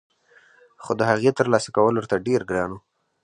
خو دهغې ترلاسه کول ورته ډېر ګران وو